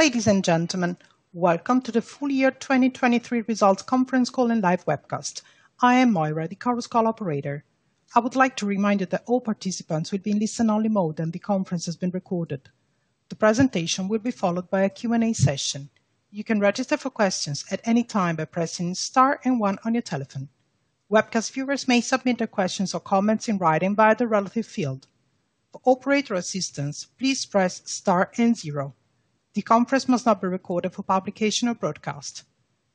Ladies and gentlemen, welcome to the full year 2023 results conference call and live webcast. I am Moira, the Chorus Call operator. I would like to remind you that all participants will be in listen-only mode, and the conference has been recorded. The presentation will be followed by a Q&A session. You can register for questions at any time by pressing star and one on your telephone. Webcast viewers may submit their questions or comments in writing via the relative field. For operator assistance, please press star and zero. The conference must not be recorded for publication or broadcast.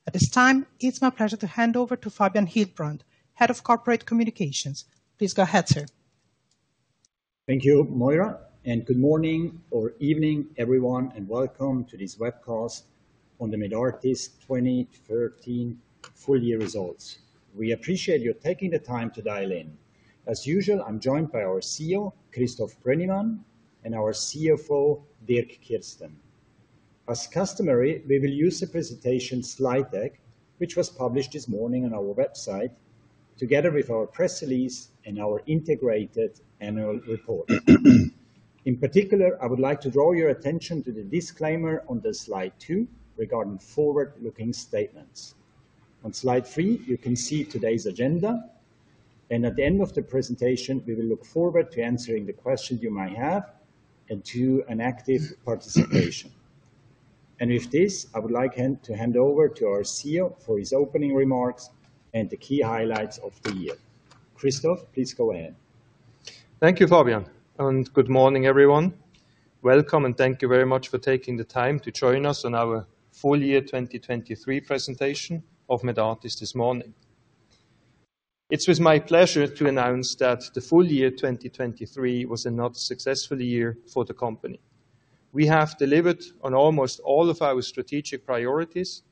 At this time, it's my pleasure to hand over to Fabian Hildbrand, Head of Corporate Communications. Please go ahead, sir. Thank you, Moira, and good morning or evening, everyone, and welcome to this webcast on the Medartis 2023 Full Year Results. We appreciate you taking the time to dial in. As usual, I'm joined by our CEO, Christoph Brönnimann, and our CFO, Dirk Kirsten. As customary, we will use a presentation slide deck, which was published this morning on our website, together with our press release and our integrated annual report. In particular, I would like to draw your attention to the disclaimer on slide two regarding forward-looking statements. On slide three, you can see today's agenda, and at the end of the presentation, we will look forward to answering the questions you might have and to an active participation. And with this, I would like to hand over to our CEO for his opening remarks and the key highlights of the year. Christoph, please go ahead. Thank you, Fabian, and good morning, everyone. Welcome, and thank you very much for taking the time to join us on our full year 2023 presentation of Medartis this morning. It is my pleasure to announce that the full year 2023 was another successful year for the company. We have delivered on almost all of our strategic priorities,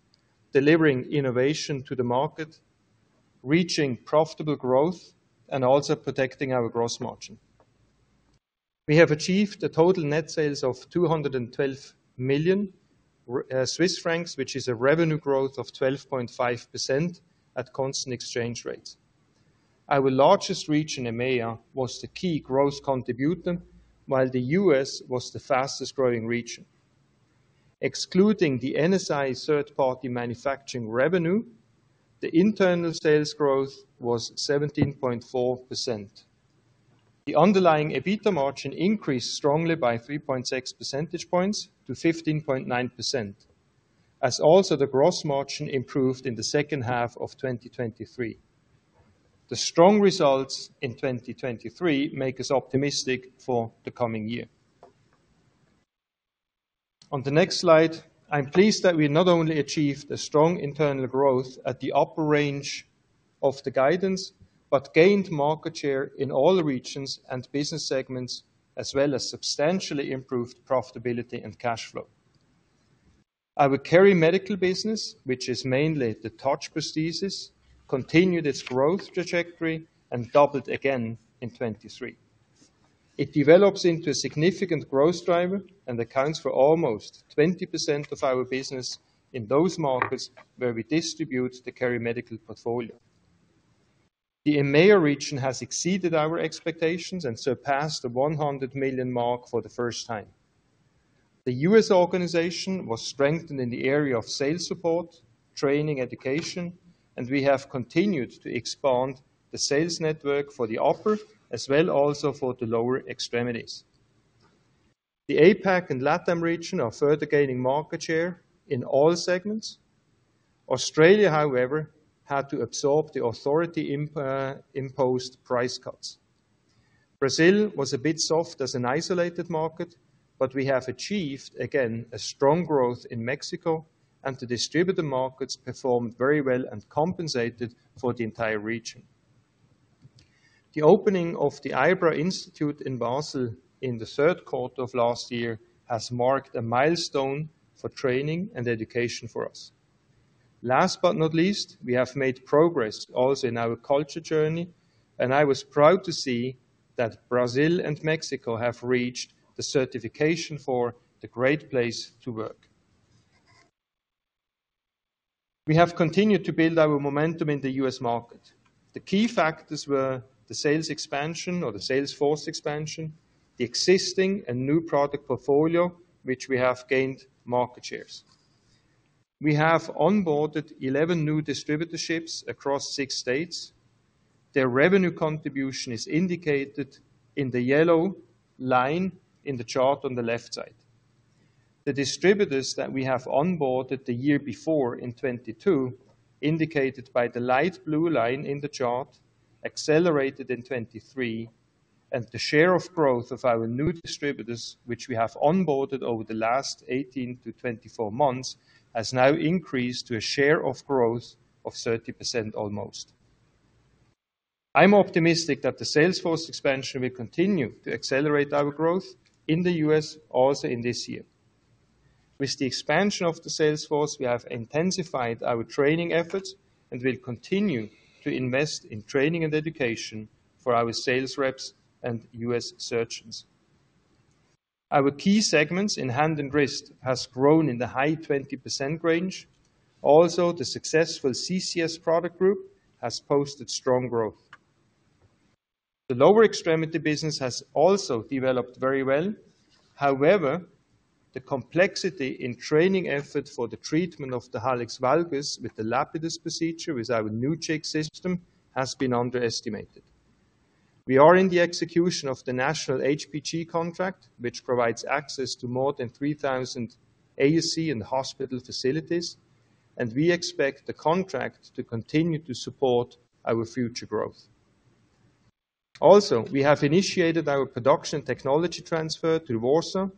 delivering innovation to the market, reaching profitable growth, and also protecting our gross margin. We have achieved a total net sales of 212 million Swiss francs, which is a revenue growth of 12.5% at constant exchange rates. Our largest region, EMEA, was the key growth contributor, while the U.S. was the fastest-growing region. Excluding the NSI third-party manufacturing revenue, the internal sales growth was 17.4%. The underlying EBITDA margin increased strongly by 3.6 percentage points to 15.9%, as also the gross margin improved in the second half of 2023. The strong results in 2023 make us optimistic for the coming year. On the next slide, I'm pleased that we not only achieved a strong internal growth at the upper range of the guidance, but gained market share in all the regions and business segments, as well as substantially improved profitability and cash flow. Our KeriMedical business, which is mainly the TOUCH prosthesis, continued its growth trajectory and doubled again in 2023. It develops into a significant growth driver and accounts for almost 20% of our business in those markets where we distribute the KeriMedical portfolio. The EMEA region has exceeded our expectations and surpassed the 100 million mark for the first time. The U.S. organization was strengthened in the area of sales support, training, education, and we have continued to expand the sales network for the upper, as well also for the lower extremities. The APAC and LATAM region are further gaining market share in all segments. Australia, however, had to absorb the authority-imposed price cuts. Brazil was a bit soft as an isolated market, but we have achieved, again, a strong growth in Mexico, and the distributor markets performed very well and compensated for the entire region. The opening of the IBRA Institute in Basel in the Q3 of last year has marked a milestone for training and education for us. Last but not least, we have made progress also in our culture journey, and I was proud to see that Brazil and Mexico have reached the certification for the great place to work. We have continued to build our momentum in the U.S. market. The key factors were the sales expansion or the sales force expansion, the existing and new product portfolio, which we have gained market shares. We have onboarded 11 new distributorships across six states. Their revenue contribution is indicated in the yellow line in the chart on the left side. The distributors that we have onboarded the year before in 2022, indicated by the light blue line in the chart, accelerated in 2023, and the share of growth of our new distributors, which we have onboarded over the last 18-24 months, has now increased to a share of growth of 30% almost. I'm optimistic that the sales force expansion will continue to accelerate our growth in the U.S. also in this year. With the expansion of the sales force, we have intensified our training efforts and will continue to invest in training and education for our sales reps and U.S. surgeons. Our key segments in hand and wrist has grown in the high 20% range. Also, the successful CCS product group has posted strong growth. The lower extremity business has also developed very well. However, the complexity in training effort for the treatment of the hallux valgus with the Lapidus procedure, with our new jig system, has been underestimated. We are in the execution of the national HPG contract, which provides access to more than 3,000 ASC and hospital facilities, and we expect the contract to continue to support our future growth. Also, we have initiated our production technology transfer to Warsaw,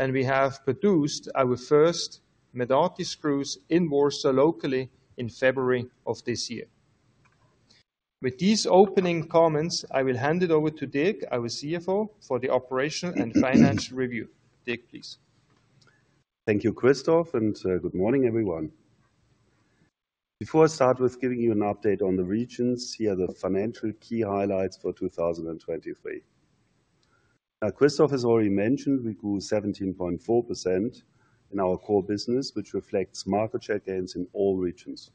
and we have produced our first Medartis screws in Warsaw locally in February of this year. With these opening comments, I will hand it over to Dirk, our CFO, for the operational and financial review. Dirk, please. Thank you, Christoph, and good morning, everyone. Before I start with giving you an update on the regions, here are the financial key highlights for 2023. Now, Christoph has already mentioned we grew 17.4% in our core business, which reflects market share gains in all regions.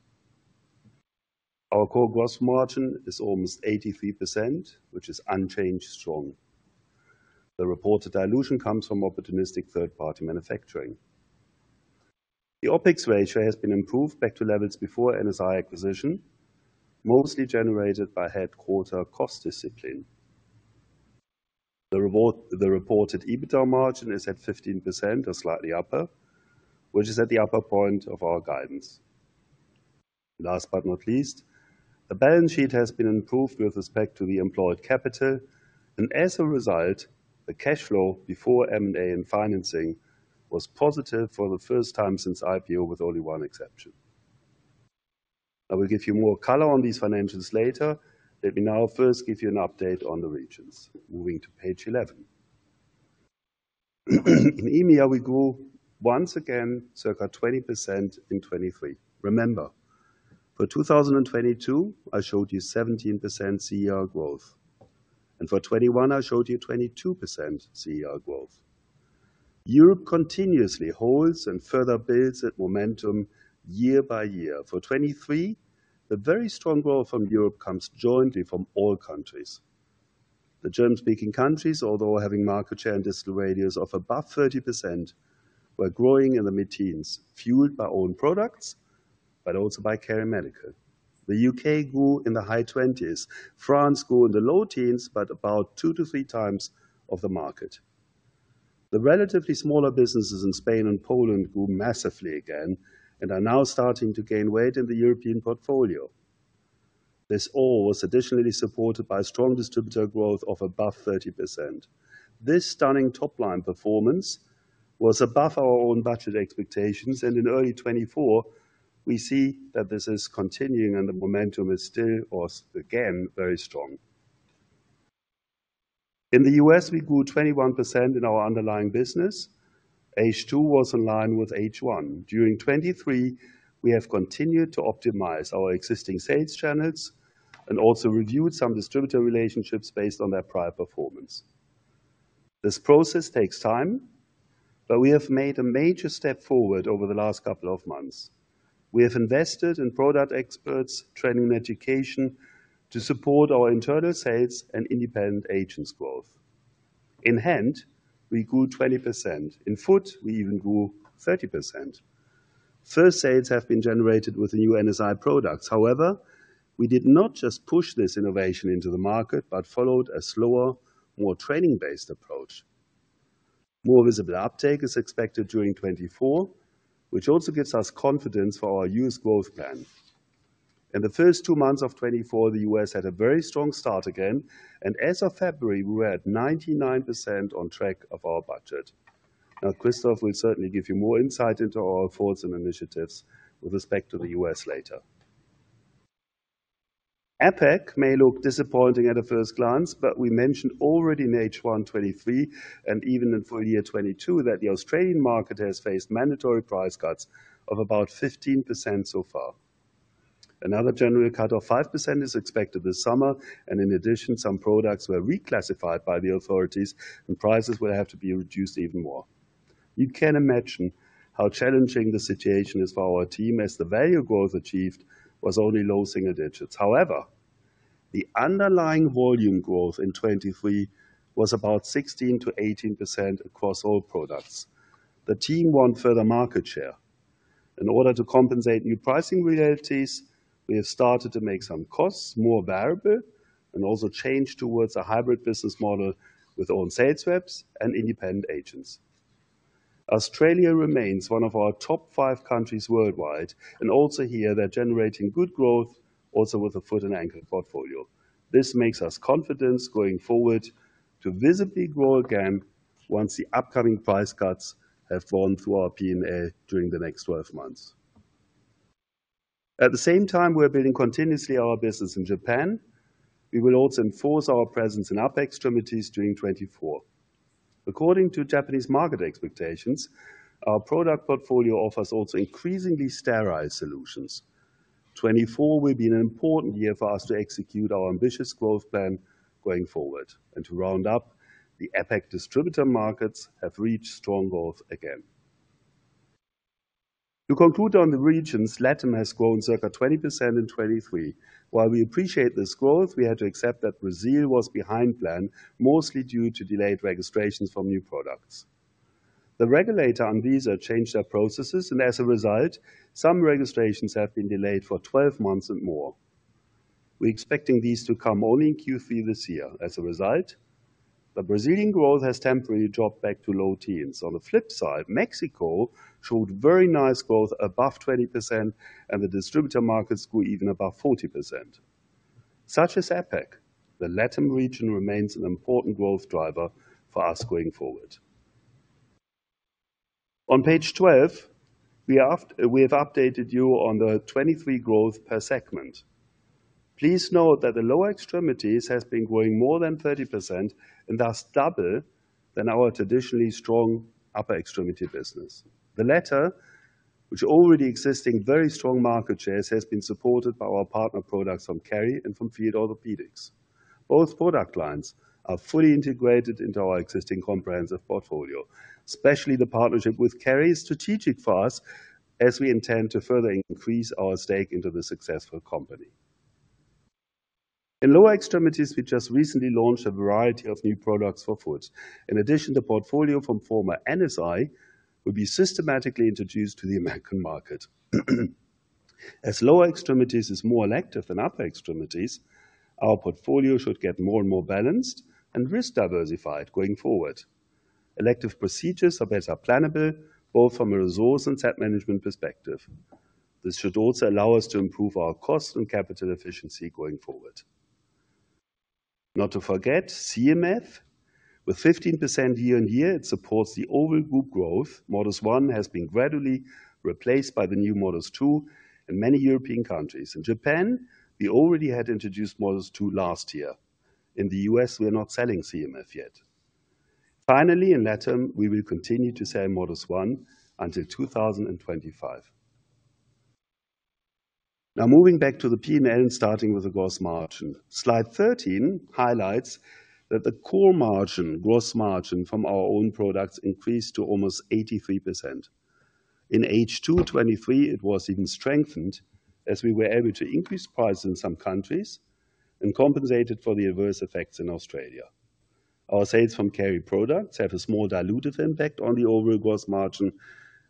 Our core gross margin is almost 83%, which is unchanged, strong. The reported dilution comes from opportunistic third-party manufacturing. The OpEx ratio has been improved back to levels before NSI acquisition, mostly generated by headquarter cost discipline. The reported EBITDA margin is at 15% or slightly upper, which is at the upper point of our guidance. Last but not least, the balance sheet has been improved with respect to the employed capital, and as a result, the cash flow before M&A and financing was positive for the first time since IPO, with only one exception. I will give you more color on these financials later. Let me now first give you an update on the regions. Moving to page 11. In EMEA, we grew once again, circa 20% in 2023. Remember, for 2022, I showed you 17% CER growth, and for 2021, I showed you 22% CER growth. Europe continuously holds and further builds that momentum year by year. For 2023, the very strong growth from Europe comes jointly from all countries. The German-speaking countries, although having market share and distal radius of above 30%, were growing in the mid-teens, fueled by own products, but also by KeriMedical. The U.K. grew in the high 20s. France grew in the low teens, but about two to three times of the market. The relatively smaller businesses in Spain and Poland grew massively again and are now starting to gain weight in the European portfolio. This all was additionally supported by strong distributor growth of above 30%. This stunning top-line performance was above our own budget expectations, and in early 2024, we see that this is continuing and the momentum is still, or again, very strong. In the U.S., we grew 21% in our underlying business. H2 was in line with H1. During 2023, we have continued to optimize our existing sales channels and also reviewed some distributor relationships based on their prior performance. This process takes time, but we have made a major step forward over the last couple of months. We have invested in product experts, training and education to support our internal sales and independent agents' growth. In hand, we grew 20%. In foot, we even grew 30%. First sales have been generated with the new NSI products. However, we did not just push this innovation into the market, but followed a slower, more training-based approach. More visible uptake is expected during 2024, which also gives us confidence for our U.S. growth plan. In the first two months of 2024, the U.S. had a very strong start again, and as of February, we were at 99% on track of our budget. Now, Christoph will certainly give you more insight into our thoughts and initiatives with respect to the U.S. later. APAC may look disappointing at a first glance, but we mentioned already in H1 2023, and even in full year 2022, that the Australian market has faced mandatory price cuts of about 15% so far. Another general cut of 5% is expected this summer, and in addition, some products were reclassified by the authorities, and prices will have to be reduced even more. You can imagine how challenging the situation is for our team, as the value growth achieved was only low single digits. However, the underlying volume growth in 2023 was about 16%-18% across all products. The team won further market share. In order to compensate new pricing realities, we have started to make some costs more variable and also change towards a hybrid business model with own sales reps and independent agents. Australia remains one of our top five countries worldwide, and also here, they're generating good growth, also with the foot and ankle portfolio. This makes us confident going forward to visibly grow again once the upcoming price cuts have gone through our P&L during the next 12 months. At the same time, we're building continuously our business in Japan. We will also enforce our presence in upper extremities during 2024. According to Japanese market expectations, our product portfolio offers also increasingly sterilized solutions. 2024 will be an important year for us to execute our ambitious growth plan going forward. To round up, the APAC distributor markets have reached strong growth again. To conclude on the regions, LATAM has grown circa 20% in 2023. While we appreciate this growth, we had to accept that Brazil was behind plan, mostly due to delayed registrations from new products. The regulator ANVISA changed their processes, and as a result, some registrations have been delayed for 12 months and more. We're expecting these to come only in Q3 this year. As a result, the Brazilian growth has temporarily dropped back to low teens. On the flip side, Mexico showed very nice growth above 20%, and the distributor markets grew even above 40%. Such as APAC, the LATAM region remains an important growth driver for us going forward. On page 12, we have updated you on the 2023 growth per segment. Please note that the lower extremities has been growing more than 30% and thus double than our traditionally strong upper extremity business. The latter, which already existing very strong market shares, has been supported by our partner products from Keri and from Field Orthopaedics. Both product lines are fully integrated into our existing comprehensive portfolio, especially the partnership with Keri is strategic for us, as we intend to further increase our stake into the successful company. In lower extremities, we just recently launched a variety of new products for foot. In addition, the portfolio from former NSI will be systematically introduced to the American market. As lower extremities is more elective than upper extremities, our portfolio should get more and more balanced and risk diversified going forward. Elective procedures are better plannable, both from a resource and set management perspective. This should also allow us to improve our cost and capital efficiency going forward. Not to forget, CMF, with 15% year-on-year, it supports the overall group growth. Modus 1 has been gradually replaced by the new Modus 2 in many European countries. In Japan, we already had introduced Modus 2 last year. In the U.S., we are not selling CMF yet. Finally, in LATAM, we will continue to sell Modus 1 until 2025. Now, moving back to the P&L and starting with the gross margin. Slide 13 highlights that the core margin, gross margin from our own products increased to almost 83%. In H223, it was even strengthened as we were able to increase prices in some countries and compensated for the adverse effects in Australia. Our sales from Keri products have a small dilutive impact on the overall gross margin.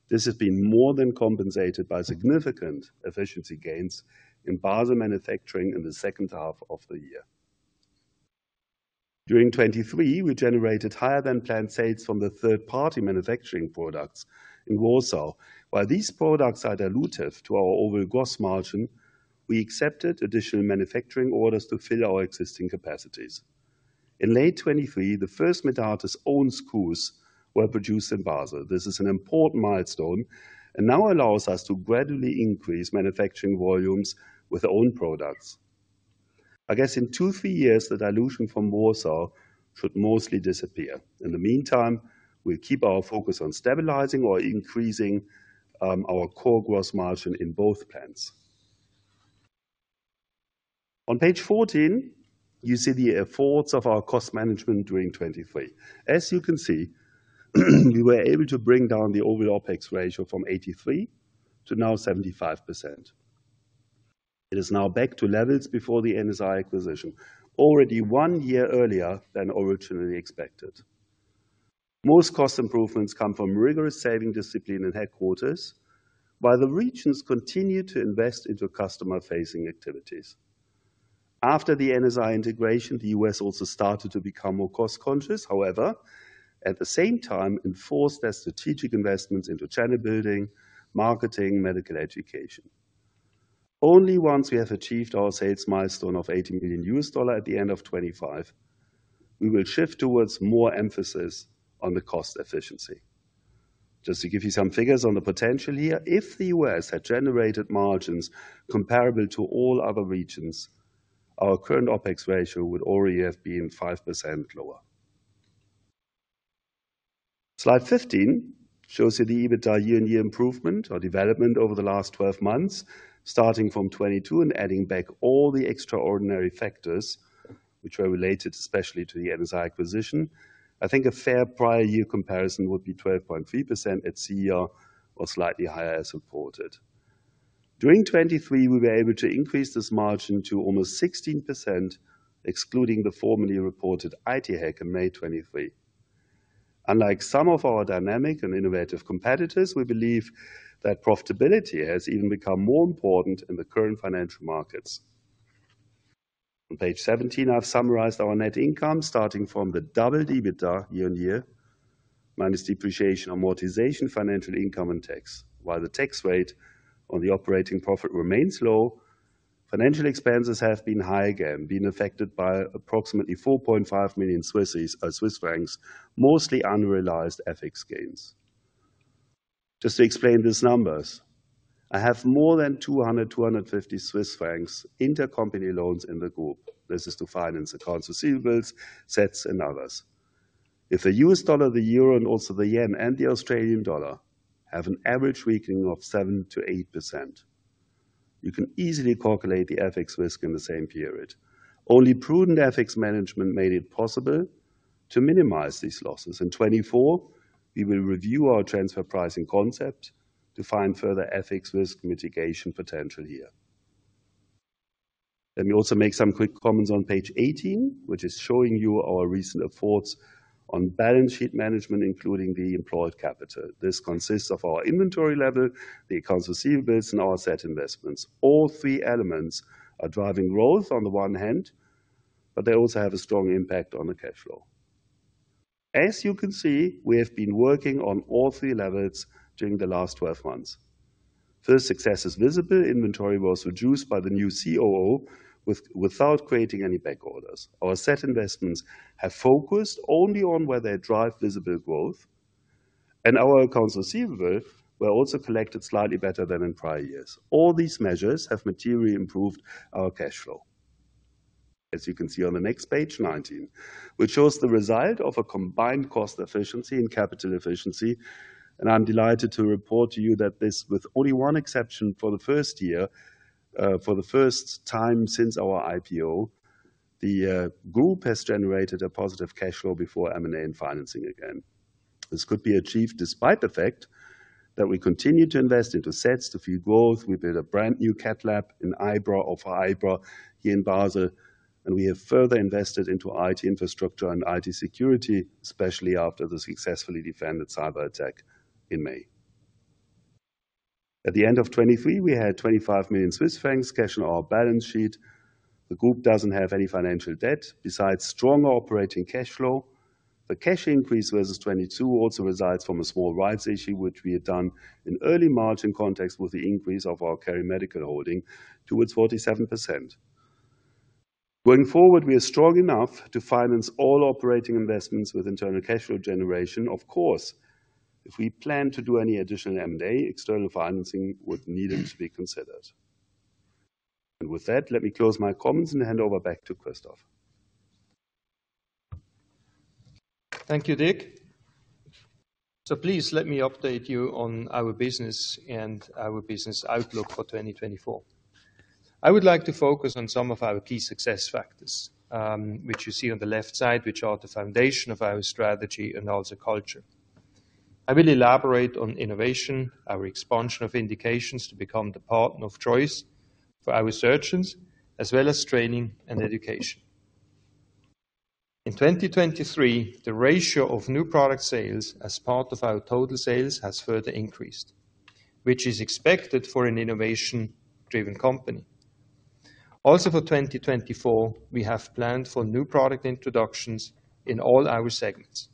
This has been more than compensated by significant efficiency gains in Basel manufacturing in the second half of the year. During 2023, we generated higher-than-planned sales from the third-party manufacturing products in Warsaw. While these products are dilutive to our overall gross margin, we accepted additional manufacturing orders to fill our existing capacities. In late 2023, the first Medartis own screws were produced in Basel. This is an important milestone and now allows us to gradually increase manufacturing volumes with our own products. I guess in two to three years, the dilution from Warsaw should mostly disappear. In the meantime, we'll keep our focus on stabilizing or increasing our core gross margin in both plants. On page 14, you see the efforts of our cost management during 2023. As you can see, we were able to bring down the overall OpEx ratio from 83% to 75%. It is now back to levels before the NSI acquisition, already 1 year earlier than originally expected. Most cost improvements come from rigorous saving discipline in headquarters, while the regions continue to invest into customer-facing activities. After the NSI integration, the U.S. also started to become more cost-conscious. However, at the same time, enforced their strategic investments into channel building, marketing, medical education. Only once we have achieved our sales milestone of $80 million at the end of 2025, we will shift towards more emphasis on the cost efficiency. Just to give you some figures on the potential here, if the U.S. had generated margins comparable to all other regions, our current OpEx ratio would already have been 5% lower. Slide 15 shows you the EBITDA year-on-year improvement or development over the last 12 months, starting from 2022 and adding back all the extraordinary factors which are related, especially to the NSI acquisition. I think a fair prior year comparison would be 12.3% at CER or slightly higher as reported. During 2023, we were able to increase this margin to almost 16%, excluding the formerly reported IT hack in May 2023. Unlike some of our dynamic and innovative competitors, we believe that profitability has even become more important in the current financial markets. On page 17, I've summarized our net income, starting from the double EBITDA year-over-year, minus depreciation and amortization, financial income and tax. While the tax rate on the operating profit remains low, financial expenses have been high again, being affected by approximately 4.5 million Swiss francs, mostly unrealized FX gains. Just to explain these numbers, I have more than 200-250 Swiss francs intercompany loans in the group. This is to finance accounts receivables, sets, and others. If the U.S. dollar, the euro, and also the yen and the Australian dollar have an average weakening of 7%-8%. You can easily calculate the FX risk in the same period. Only prudent FX management made it possible to minimize these losses. In 2024, we will review our transfer pricing concept to find further FX risk mitigation potential here. Let me also make some quick comments on page 18, which is showing you our recent efforts on balance sheet management, including the employed capital. This consists of our inventory level, the accounts receivables, and our asset investments. All three elements are driving growth on the one hand, but they also have a strong impact on the cash flow. As you can see, we have been working on all three levels during the last 12 months. First, success is visible. Inventory was reduced by the new COO without creating any back orders. Our set investments have focused only on where they drive visible growth, and our accounts receivable were also collected slightly better than in prior years. All these measures have materially improved our cash flow. As you can see on the next page, 19, which shows the result of a combined cost efficiency and capital efficiency. I'm delighted to report to you that this, with only one exception for the first year, for the first time since our IPO, the group has generated a positive cash flow before M&A and financing again. This could be achieved despite the fact that we continue to invest into sets to fuel growth. We built a brand-new Cath Lab in IBRA of IBRA here in Basel, and we have further invested into IT infrastructure and IT security, especially after the successfully defended cyberattack in May. At the end of 2023, we had 25 million Swiss francs cash on our balance sheet. The group doesn't have any financial debt. Besides stronger operating cash flow, the cash increase versus 2022 also resides from a small rights issue, which we had done in early March, in context with the increase of our KeriMedical holding towards 47%. Going forward, we are strong enough to finance all operating investments with internal cash flow generation. Of course, if we plan to do any additional M&A, external financing would needed to be considered. And with that, let me close my comments and hand over back to Christoph. Thank you, Dirk. Please let me update you on our business and our business outlook for 2024. I would like to focus on some of our key success factors, which you see on the left side, which are the foundation of our strategy and also culture. I will elaborate on innovation, our expansion of indications to become the partner of choice for our surgeons, as well as training and education. In 2023, the ratio of new product sales as part of our total sales has further increased, which is expected for an innovation-driven company. Also, for 2024, we have planned for new product introductions in all our segments.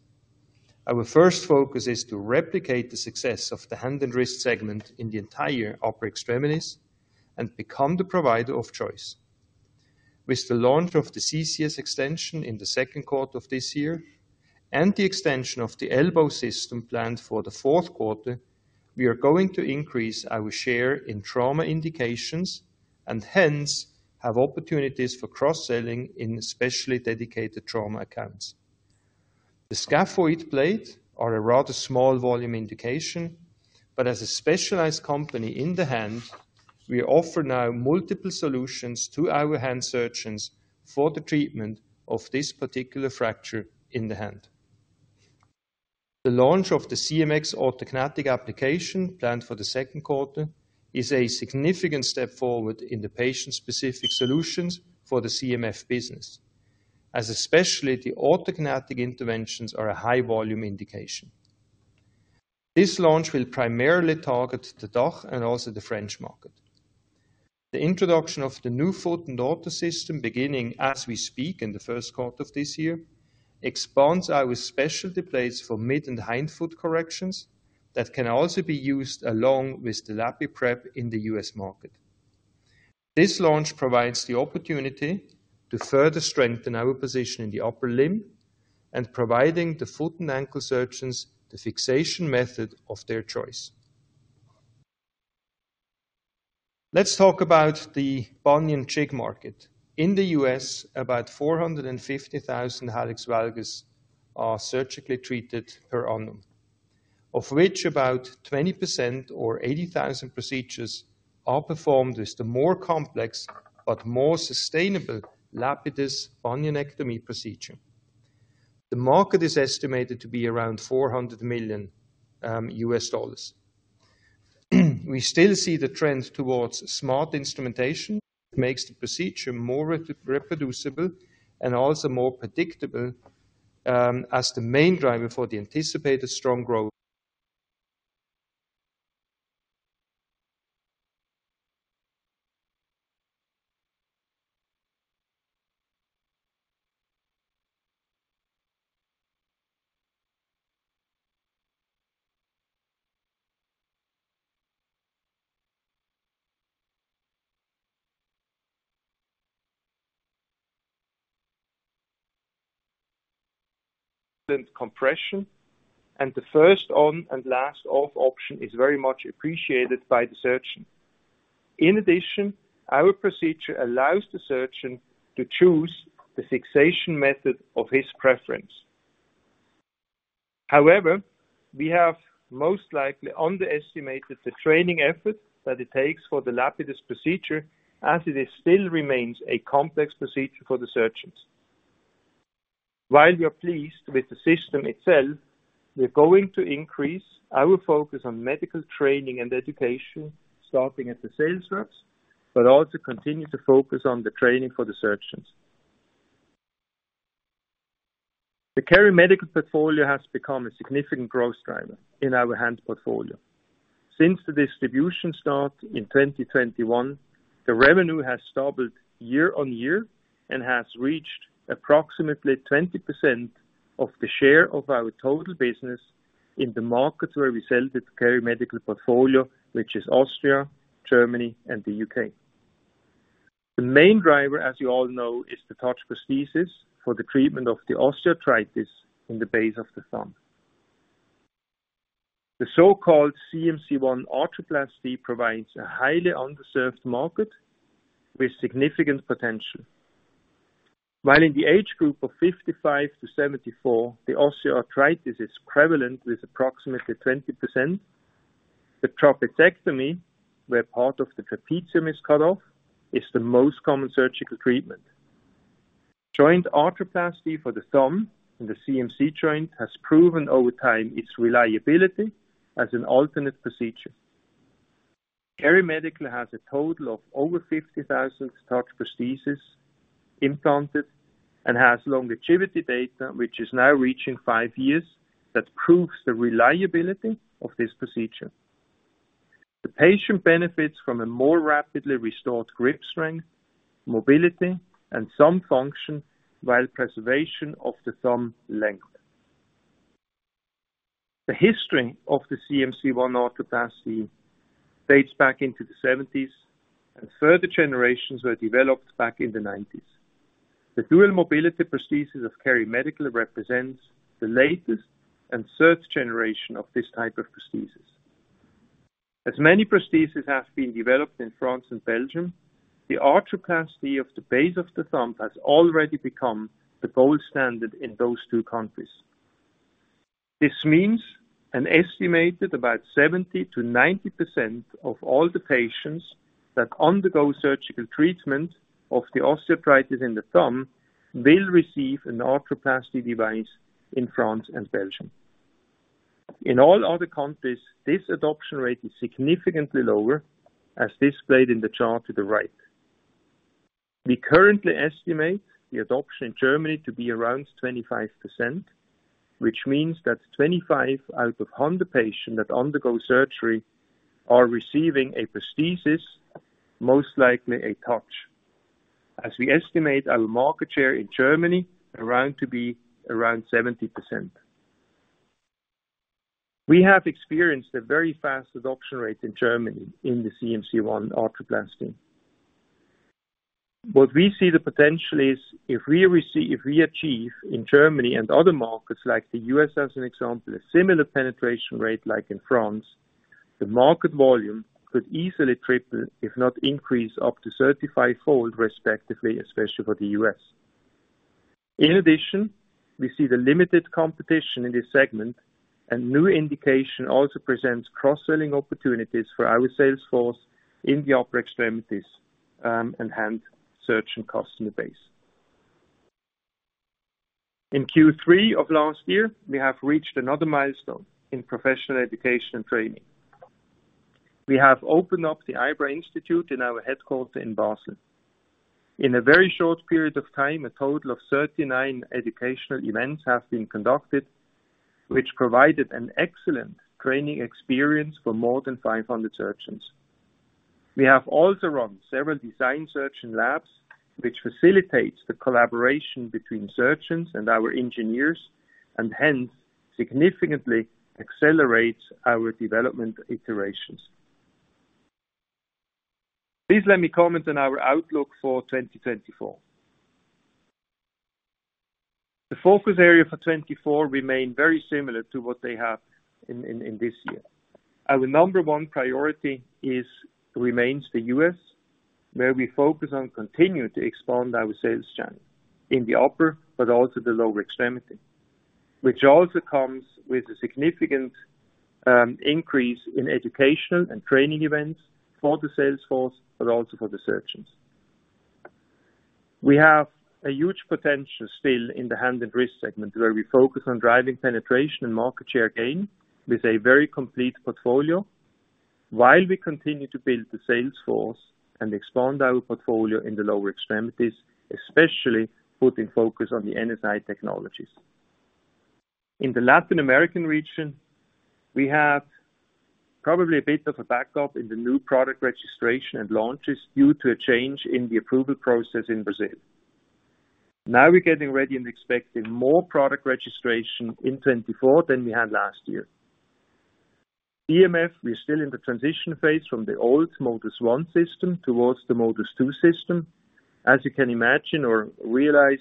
Our first focus is to replicate the success of the hand and wrist segment in the entire upper extremities and become the provider of choice. With the launch of the CCS extension in the Q2 of this year and the extension of the elbow system planned for the Q4, we are going to increase our share in trauma indications, and hence, have opportunities for cross-selling in especially dedicated trauma accounts. The scaphoid plates are a rather small volume indication, but as a specialized company in the hand, we offer now multiple solutions to our hand surgeons for the treatment of this particular fracture in the hand. The launch of the CMF orthognathic application, planned for the Q2, is a significant step forward in the patient-specific solutions for the CMF business, as especially the orthognathic interventions are a high volume indication. This launch will primarily target the DACH and also the French market. The introduction of the new foot and ankle system, beginning as we speak in the Q1 of this year, expands our specialty plates for mid and hindfoot corrections that can also be used along with the LapiPrep in the U.S. market. This launch provides the opportunity to further strengthen our position in the upper limb and providing the foot and ankle surgeons the fixation method of their choice. Let's talk about the bunion jig market. In the U.S., about 450,000 hallux valgus are surgically treated per annum, of which about 20% or 80,000 procedures are performed as the more complex but more sustainable Lapidus bunionectomy procedure. The market is estimated to be around $400 million. We still see the trend towards smart instrumentation, makes the procedure more reproducible and also more predictable, as the main driver for the anticipated strong growth. Then compression, and the first on and last off option is very much appreciated by the surgeon. In addition, our procedure allows the surgeon to choose the fixation method of his preference. However, we have most likely underestimated the training effort that it takes for the Lapidus procedure, as it still remains a complex procedure for the surgeons. While we are pleased with the system itself, we're going to increase our focus on medical training and education, starting at the sales reps, but also continue to focus on the training for the surgeons. The KeriMedical portfolio has become a significant growth driver in our hand portfolio. Since the distribution start in 2021, the revenue has doubled year-over-year and has reached approximately 20% of the share of our total business in the markets where we sell the KeriMedical portfolio, which is Austria, Germany, and the U.K. The main driver, as you all know, is the TOUCH prosthesis for the treatment of the osteoarthritis in the base of the thumb. The so-called CMC-I arthroplasty provides a highly underserved market with significant potential. While in the age group of 55-74, the osteoarthritis is prevalent with approximately 20%, the trapeziectomy, where part of the trapezium is cut off, is the most common surgical treatment. Joint arthroplasty for the thumb and the CMC joint has proven over time its reliability as an alternate procedure. KeriMedical has a total of over 50,000 TOUCH prosthesis implanted and has longevity data, which is now reaching five years, that proves the reliability of this procedure. The patient benefits from a more rapidly restored grip strength, mobility, and some function, while preservation of the thumb length. The history of the CMC-I arthroplasty dates back into the 1970s, and further generations were developed back in the 1990s. The dual mobility prosthesis of KeriMedical represents the latest and third generation of this type of prosthesis. As many prosthesis have been developed in France and Belgium, the arthroplasty of the base of the thumb has already become the gold standard in those two countries. This means an estimated about 70%-90% of all the patients that undergo surgical treatment of the osteoarthritis in the thumb will receive an arthroplasty device in France and Belgium. In all other countries, this adoption rate is significantly lower, as displayed in the chart to the right. We currently estimate the adoption in Germany to be around 25%, which means that 25 out of 100 patients that undergo surgery are receiving a prosthesis, most likely a TOUCH, as we estimate our market share in Germany around to be around 70%. We have experienced a very fast adoption rate in Germany in the CMC-I arthroplasty. What we see the potential is, if we achieve in Germany and other markets, like the U.S. as an example, a similar penetration rate like in France, the market volume could easily triple, if not increase, up to 35-fold, respectively, especially for the U.S. In addition, we see the limited competition in this segment, and new indication also presents cross-selling opportunities for our sales force in the upper extremities, and hand surgery and customer base. In Q3 of last year, we have reached another milestone in professional education and training. We have opened up the IBRA Institute in our headquarters in Basel. In a very short period of time, a total of 39 educational events have been conducted, which provided an excellent training experience for more than 500 surgeons. We have also run several design surgeon labs, which facilitates the collaboration between surgeons and our engineers, and hence, significantly accelerates our development iterations. Please let me comment on our outlook for 2024. The focus area for 2024 remain very similar to what they have in this year. Our number one priority is, remains the U.S., where we focus on continuing to expand our sales channel in the upper, but also the lower extremity, which also comes with a significant increase in education and training events for the sales force, but also for the surgeons. We have a huge potential still in the hand and wrist segment, where we focus on driving penetration and market share gain with a very complete portfolio, while we continue to build the sales force and expand our portfolio in the lower extremities, especially putting focus on the NSI technologies. In the Latin American region, we have probably a bit of a backup in the new product registration and launches due to a change in the approval process in Brazil. Now we're getting ready and expecting more product registration in 2024 than we had last year. CMF, we're still in the transition phase from the old Modus 1 system towards the Modus 2 system. As you can imagine or realize,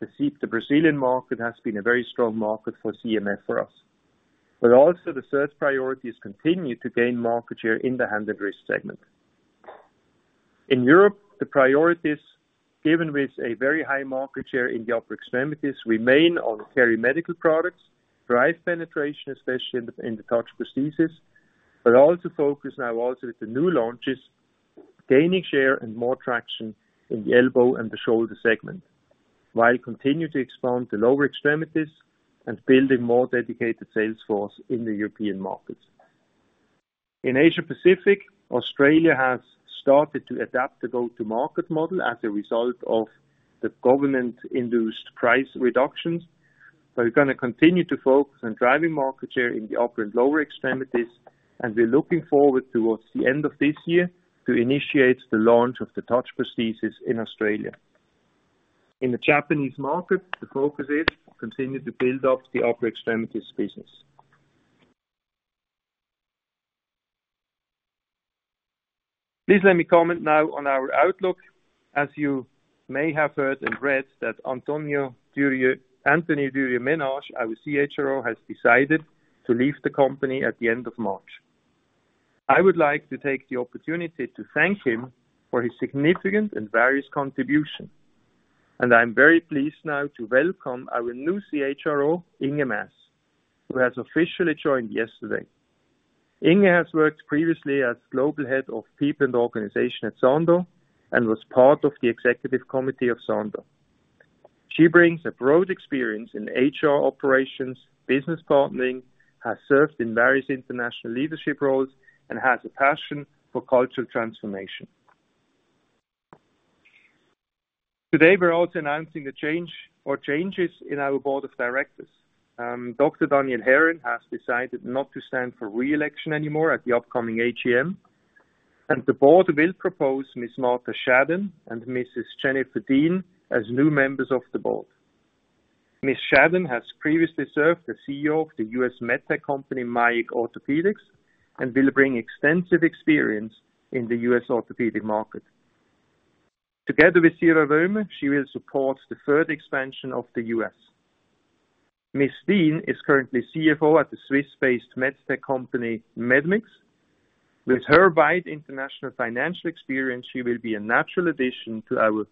the Brazilian market has been a very strong market for CMF for us. But also the strategic priority is continuing to gain market share in the hand and wrist segment. In Europe, the priorities, given with a very high market share in the upper extremities, remain on KeriMedical products, drive penetration, especially in the, in the TOUCH prosthesis, but also focus now also with the new launches, gaining share and more traction in the elbow and the shoulder segment, while continuing to expand the lower extremities and building more dedicated sales force in the European markets. In Asia Pacific, Australia has started to adapt the go-to-market model as a result of the government-induced price reductions. So we're going to continue to focus on driving market share in the upper and lower extremities, and we're looking forward towards the end of this year to initiate the launch of the TOUCH prosthesis in Australia. In the Japanese market, the focus is to continue to build up the upper extremities business. Please let me comment now on our outlook. As you may have heard and read, that Anthony Durieux-Menage, our CHRO, has decided to leave the company at the end of March. I would like to take the opportunity to thank him for his significant and various contribution, and I'm very pleased now to welcome our new CHRO, Inge Maes, who has officially joined yesterday. Inge has worked previously as Global Head of People and Organization at Sandoz, and was part of the executive committee of Sandoz. She brings a broad experience in HR operations, business partnering, has served in various international leadership roles, and has a passion for cultural transformation. Today, we're also announcing a change or changes in our board of directors. Dr. Daniel Herren has decided not to stand for re-election anymore at the upcoming AGM, and the board will propose Ms. Martha Shadan and Mrs. Jennifer Dean as new members of the board. Ms. Shadan has previously served as CEO of the U.S. MedTech company, Miach Orthopaedics, and will bring extensive experience in the U.S. orthopedic market. Together with Ciro Römer, she will support the further expansion of the U.S. Ms. Dean is currently CFO at the Swiss-based MedTech company, Medmix. With her wide international financial experience, she will be a natural addition to our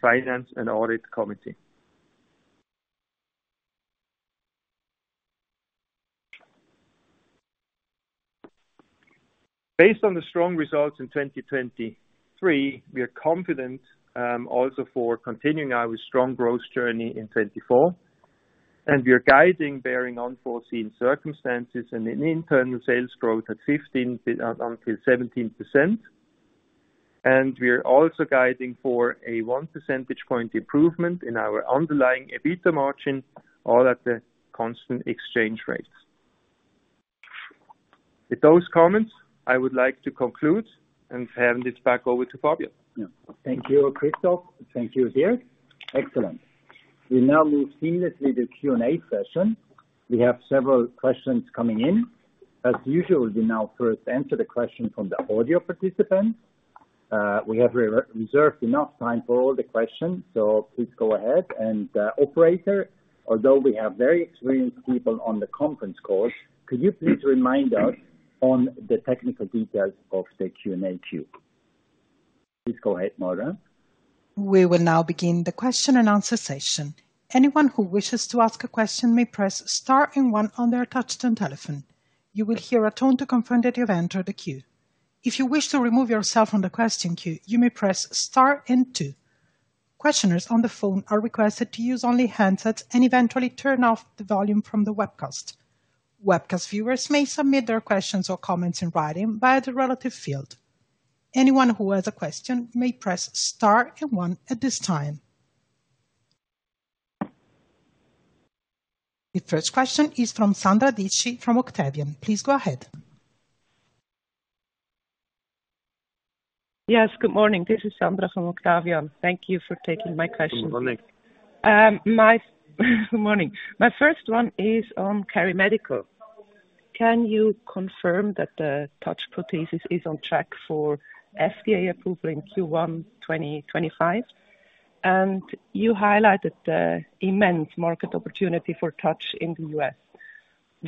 finance and audit committee. Based on the strong results in 2023, we are confident also for continuing our strong growth journey in 2024, and we are guiding, bearing unforeseen circumstances and an internal sales growth at 15%-17%. We are also guiding for a 1 percentage point improvement in our underlying EBITDA margin, all at the constant exchange rates. With those comments, I would like to conclude and hand this back over to Fabian. Yeah. Thank you, Christoph. Thank you, Dirk. Excellent. We now move seamlessly to the Q&A session. We have several questions coming in. As usual, we now first answer the question from the audio participants. We have reserved enough time for all the questions, so please go ahead. And, operator, although we have very experienced people on the conference call, could you please remind us on the technical details of the Q&A queue? Please go ahead, moderator. We will now begin the question and answer session. Anyone who wishes to ask a question may press star and one on their touch-tone telephone. You will hear a tone to confirm that you've entered the queue. If you wish to remove yourself from the question queue, you may press star and two. Questioners on the phone are requested to use only handsets and eventually turn off the volume from the webcast. Webcast viewers may submit their questions or comments in writing via the relevant field. Anyone who has a question may press star and one at this time. The first question is from Sandra Dietschy from Octavian. Please go ahead. Yes, good morning. This is Sandra from Octavian. Thank you for taking my question. Good morning. Good morning. My first one is on KeriMedical. Can you confirm that the TOUCH prosthesis is on track for FDA approval in Q1 2025? And you highlighted the immense market opportunity for TOUCH in the U.S.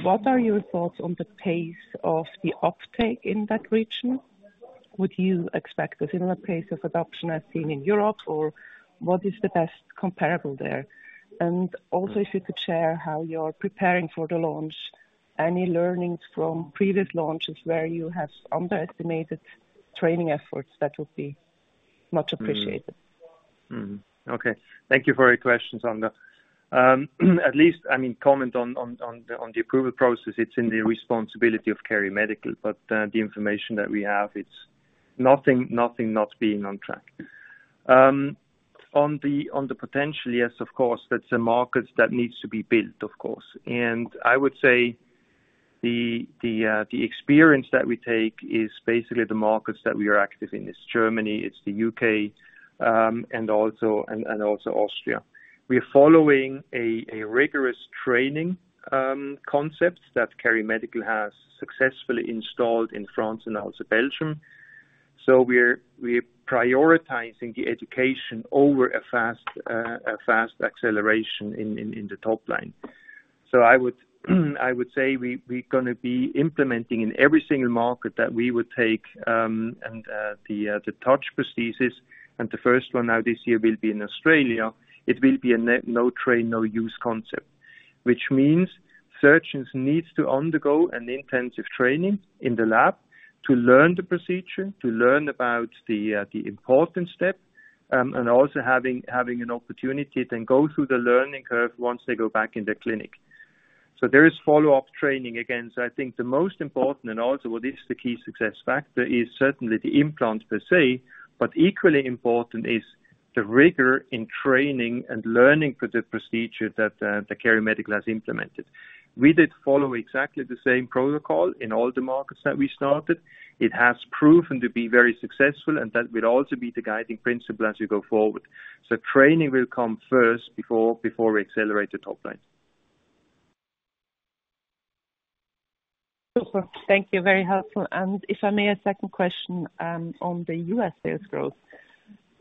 What are your thoughts on the pace of the uptake in that region? Would you expect a similar pace of adoption as seen in Europe, or what is the best comparable there? And also, if you could share how you're preparing for the launch, any learnings from previous launches where you have underestimated training efforts, that would be much appreciated. Okay. Thank you for your questions, Sandra. At least, I mean, comment on the approval process, it's in the responsibility of KeriMedical, but the information that we have, it's nothing not being on track. On the potential, yes, of course, that's a market that needs to be built, of course. And I would say the experience that we take is basically the markets that we are active in. It's Germany, it's the U.K., and also Austria. We are following a rigorous training concept that KeriMedical has successfully installed in France and also Belgium. So, we're prioritizing the education over a fast acceleration in the top line. So, I would, I would say we're gonna be implementing in every single market that we would take, and the TOUCH prosthesis, and the first one out this year will be in Australia. It will be a no train, no use concept. Which means, surgeons needs to undergo an intensive training in the lab to learn the procedure, to learn about the important step, and also having an opportunity to then go through the learning curve once they go back in the clinic. So, there is follow-up training again. So, I think the most important, and also this is the key success factor, is certainly the implant per se, but equally important is the rigor in training and learning for the procedure that the KeriMedical has implemented. We did follow exactly the same protocol in all the markets that we started. It has proven to be very successful, and that will also be the guiding principle as we go forward. So, training will come first before we accelerate the top line. Super. Thank you, very helpful. And if I may, a second question, on the U.S. sales growth.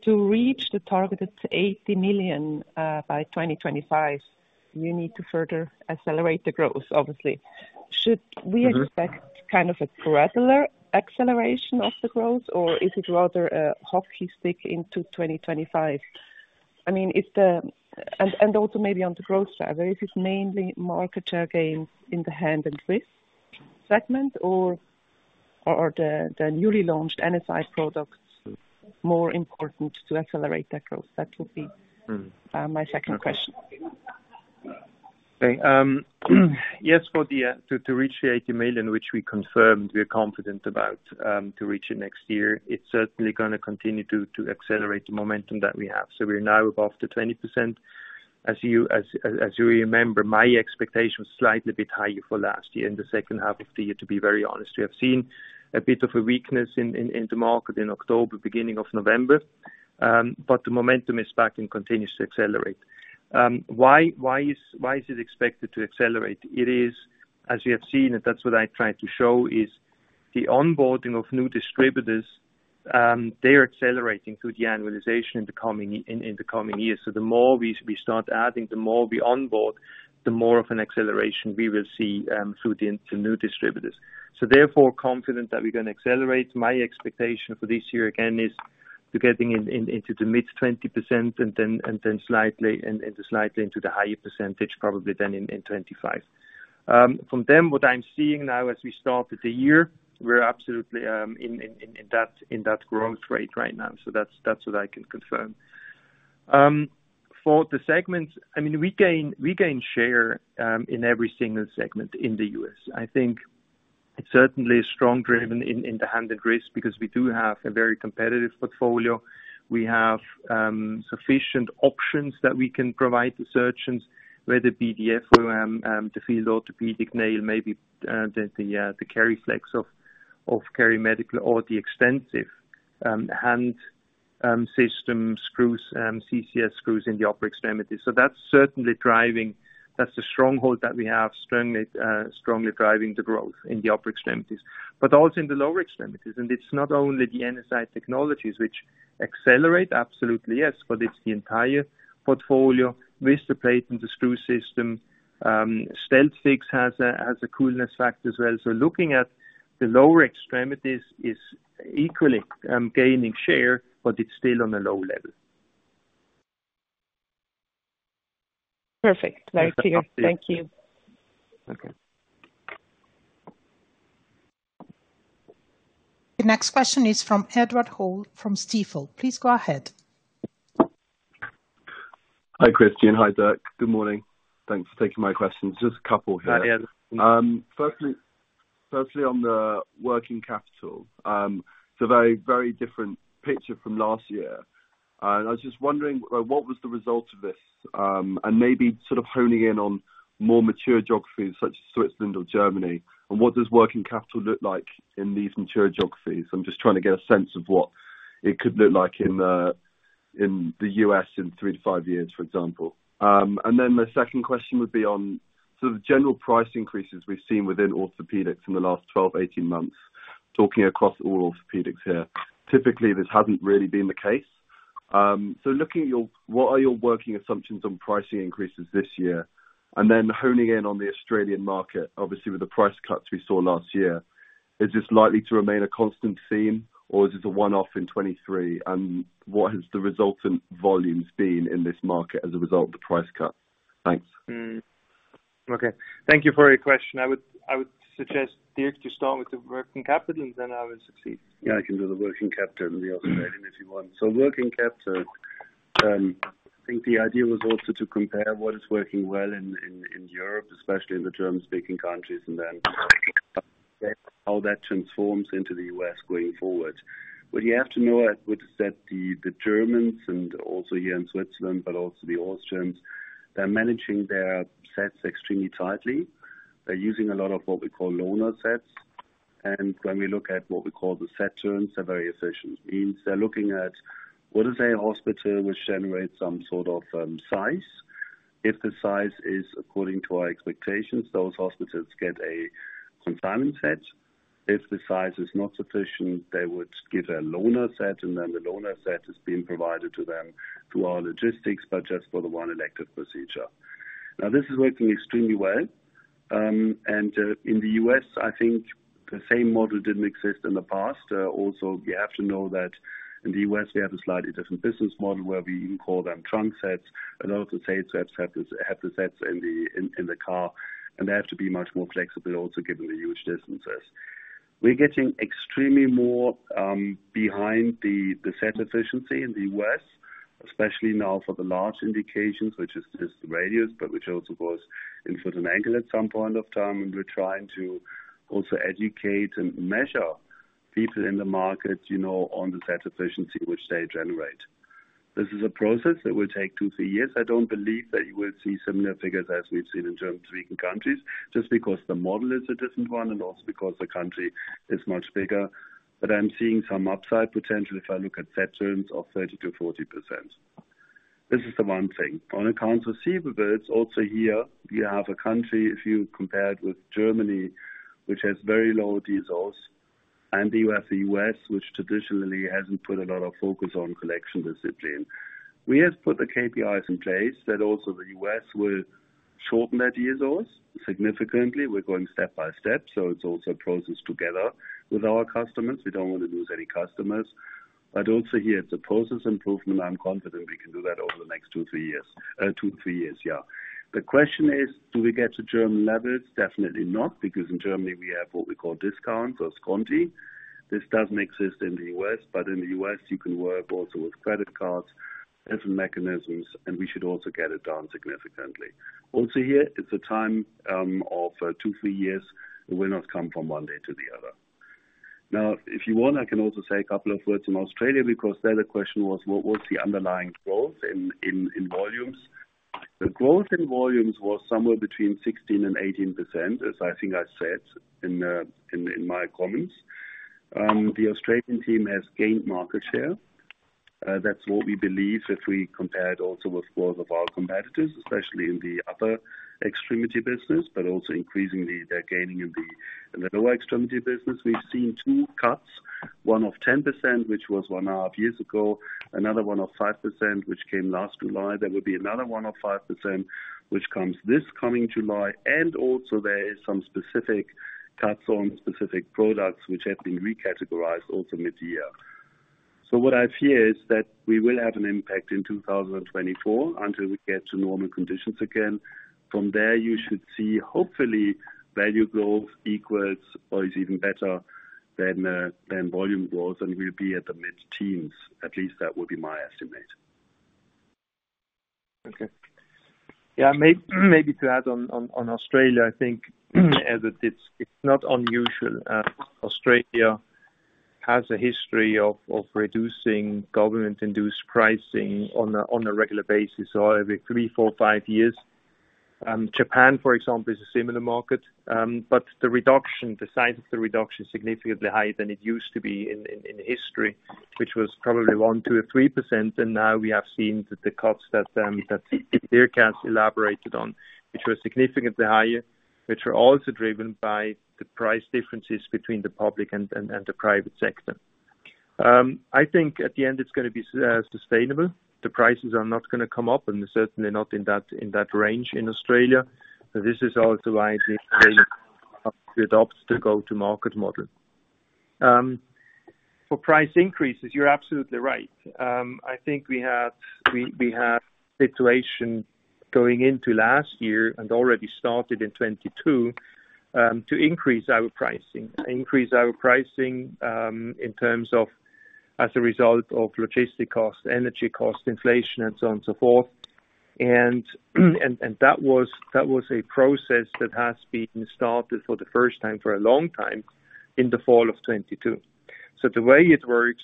To reach the targeted $80 million by 2025, you need to further accelerate the growth, obviously. Should we expect kind of a gradual acceleration of the growth, or is it rather a hockey stick into 2025? I mean, if the—and also maybe on the growth side, is this mainly market share gains in the hand and wrist segment, or the newly launched NSI products more important to accelerate that growth? That would be my second question. Okay, yes, to reach the 80 million, which we confirmed, we are confident about, to reach it next year, it's certainly gonna continue to accelerate the momentum that we have. So, we're now above the 20%. As you remember, my expectation was slightly bit higher for last year, in the second half of the year, to be very honest. We have seen a bit of a weakness in the market in October, beginning of November, but the momentum is back and continues to accelerate. Why is it expected to accelerate? It is, as you have seen, and that's what I tried to show, is the onboarding of new distributors, they are accelerating through the annualization in the coming years. So the more we start adding, the more we onboard, the more of an acceleration we will see through the new distributors. So therefore, confident that we're gonna accelerate. My expectation for this year, again, is to get into the mid-20% and then slightly into the higher percentage, probably then in 2025. From them, what I'm seeing now as we started the year, we're absolutely in that growth rate right now. So that's what I can confirm. For the segments, I mean, we gain share in every single segment in the U.S. I think it's certainly strongly driven in the hand and wrist, because we do have a very competitive portfolio. We have sufficient options that we can provide to surgeons, whether it be DFOM, the Field Orthopaedics nail, maybe the KeriFlex of KeriMedical or the extensive hand system screws, CCS screws in the upper extremities. So that's certainly driving. That's a stronghold that we have, strongly driving the growth in the upper extremities, but also in the lower extremities. And it's not only the NSI technologies which accelerate, absolutely, yes, but it's the entire portfolio with the plate and the screw system. StealthFix has a coolness factor as well. So looking at the lower extremities is equally gaining share, but it's still on a low level. Perfect. Very clear. Yeah. Thank you. Okay. The next question is from Edward Hall, from Stifel. Please go ahead. Hi, Christoph. Hi, Dirk. Good morning. Thanks for taking my questions. Just a couple here. Hi, Ed. Firstly, on the working capital, it's a very, very different picture from last year. I was just wondering, what was the result of this? And maybe sort of honing in on more mature geographies such as Switzerland or Germany, and what does working capital look like in these mature geographies? I'm just trying to get a sense of what it could look like in the U.S. in three to five years, for example. And then my second question would be on, so the general price increases we've seen within orthopedics in the last 12, 18 months, talking across all orthopedics here. Typically, this hasn't really been the case. So, looking at your—what are your working assumptions on pricing increases this year? And then honing in on the Australian market, obviously, with the price cuts we saw last year, is this likely to remain a constant theme, or is this a one-off in 2023? And what has the resultant volumes been in this market as a result of the price cut? Thanks. Okay. Thank you for your question. I would suggest, Dirk, you start with the working capital, and then I will succeed. Yeah, I can do the working capital and the other if you want. So working capital, I think the idea was also to compare what is working well in Europe, especially in the German-speaking countries, and then how that transforms into the U.S. going forward. What you have to know, I would, is that the Germans and also here in Switzerland, but also the Austrians, they're managing their sets extremely tightly. They're using a lot of what we call loaner sets. And when we look at what we call the set turns, they're very efficient. Means they're looking at what is a hospital which generates some sort of size. If the size is according to our expectations, those hospitals get a consignment set. If the size is not sufficient, they would get a loaner set, and then the loaner set is being provided to them through our logistics, but just for the one elective procedure. Now, this is working extremely well. And in the U.S., I think the same model didn't exist in the past. Also, you have to know that in the U.S., we have a slightly different business model, where we even call them trunk sets, and also sales reps have the sets in the car, and they have to be much more flexible also, given the huge distances. We're getting extremely more behind the set efficiency in the U.S., especially now for the large indications, which is just the radius, but which also goes in foot and ankle at some point of time. We're trying to also educate and measure people in the market, you know, on the set efficiency which they generate. This is a process that will take two to three years. I don't believe that you will see similar figures as we've seen in German-speaking countries, just because the model is a different one and also because the country is much bigger. But I'm seeing some upside potential if I look at set turns of 30%-40%. This is the one thing. On accounts receivable, it's also here we have a country, if you compare it with Germany, which has very low DSO, and the U.S., the U.S., which traditionally hasn't put a lot of focus on collection discipline. We have put the KPIs in place that also the U.S. will shorten that DSO significantly. We're going step by step, so it's also a process together with our customers. We don't want to lose any customers, but also here, it's a process improvement. I'm confident we can do that over the next two to three years, two to three years. The question is, do we get to German levels? Definitely not, because in Germany, we have what we call discounts or Skonto. This doesn't exist in the U.S., but in the U.S., you can work also with credit cards, different mechanisms, and we should also get it down significantly. Also, here, it's a time of two to three years. It will not come from one day to the other. Now, if you want, I can also say a couple of words on Australia, because there the question was what was the underlying growth in volumes? The growth in volumes was somewhere between 16% and 18%, as I think I said in my comments. The Australian team has gained market share. That's what we believe, if we compare it also with growth of our competitors, especially in the upper extremity business, but also increasingly, they're gaining in the lower extremity business. We've seen two cuts, one of 10%, which was one and a half years ago, another one of 5%, which came last July. There will be another one of 5%, which comes this coming July, and also there is some specific cuts on specific products which have been recategorized also mid-year. So what I fear is that we will have an impact in 2024, until we get to normal conditions again. From there, you should see hopefully value growth equals or is even better than volume growth, and we'll be at the mid-teens. At least that would be my estimate. Okay. Yeah, maybe to add on to Australia, I think, as it's not unusual. Australia has a history of reducing government-induced pricing on a regular basis, so every three, four, five years. Japan, for example, is a similar market. But the reduction, the size of the reduction is significantly higher than it used to be in history, which was probably 1%, 2%, or 3%, and now we have seen that the cuts that Dirk has elaborated on, which were significantly higher, which are also driven by the price differences between the public and the private sector. I think at the end it's gonna be sustainable. The prices are not gonna come up, and certainly not in that range in Australia. So, this is also why they have to adopt the go-to-market model. For price increases, you're absolutely right. I think we had a situation going into last year and already started in 2022 to increase our pricing, increase our pricing, in terms of as a result of logistic costs, energy costs, inflation, and so on and so forth. And that was a process that has been started for the first time for a long time in the fall of 2022. So, the way it works,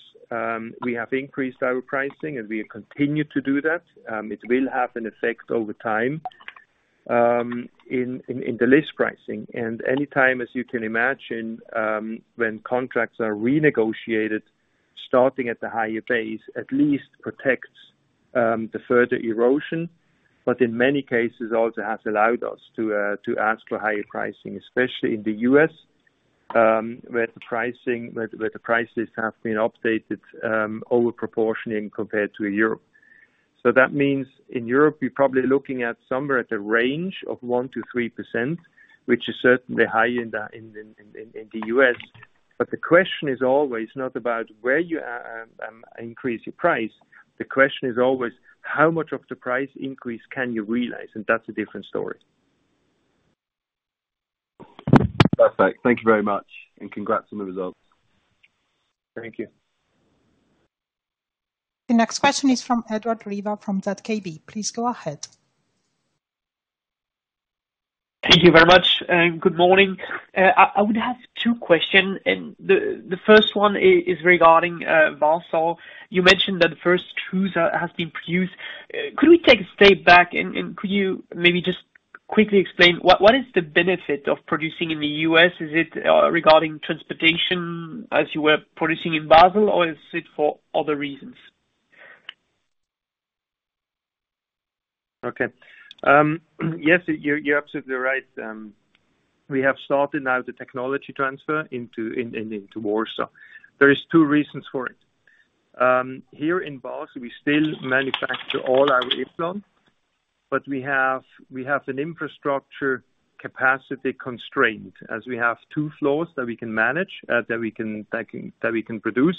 we have increased our pricing, and we continue to do that. It will have an effect over time in the list pricing. And any time, as you can imagine, when contracts are renegotiated, starting at the higher base at least protects the further erosion. But in many cases, also has allowed us to, to ask for higher pricing, especially in the U.S., where the pricing, where the prices have been updated, over-proportioning compared to Europe. So that means in Europe, you're probably looking at somewhere at the range of 1%-3%, which is certainly higher than that in the U.S. But the question is always not about where you increase your price. The question is always: How much of the price increase can you realize? And that's a different story. Perfect. Thank you very much, and congrats on the results. Thank you. The next question is from Edouard Riva from ZKB. Please go ahead. Thank you very much, and good morning. I would have two question, and the first one is regarding Warsaw. You mentioned that the first tools has been produced. Could we take a step back and could you maybe just quickly explain what is the benefit of producing in the U.S.? Is it regarding transportation, as you were producing in Basel, or is it for other reasons? Okay. Yes, you're absolutely right. We have started now the technology transfer into Warsaw. There are two reasons for it. Here in Basel, we still manufacture all our implants, but we have an infrastructure capacity constraint, as we have two floors that we can manage that we can produce.